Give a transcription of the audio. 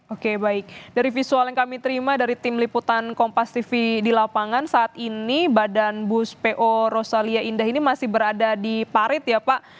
oke baik dari visual yang kami terima dari tim liputan kompas tv di lapangan saat ini badan bus po rosalia indah ini masih berada di parit ya pak